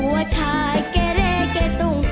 กลัวชายเก่เลเก่ตุ้ง